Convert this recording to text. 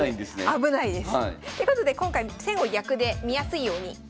危ないです。ということで今回先後逆で見やすいように。